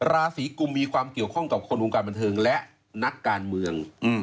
ราศีกุมมีความเกี่ยวข้องกับคนวงกาลนักการเมือง